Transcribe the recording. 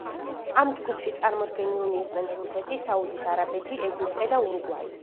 ამ ჯგუფში წარმოდგენილნი იყვნენ რუსეთი, საუდის არაბეთი, ეგვიპტე და ურუგვაი.